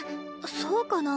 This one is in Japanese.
そうかな？